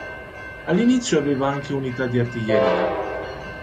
All'inizio aveva anche unità di artiglieria.